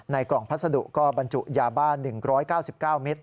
กล่องพัสดุก็บรรจุยาบ้าน๑๙๙เมตร